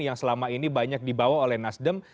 yang selama ini banyak dibawa oleh nasdem